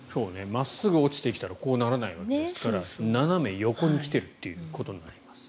真っすぐ落ちてきたらこうならないわけですから斜め横に来ているということになります。